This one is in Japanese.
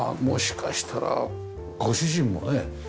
もしかしたらご主人もね